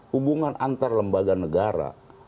hubungan antar lembaga negara